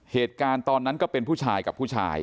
เหตุการณ์ตอนนั้นก็เป็นผู้ชายกับผู้ชาย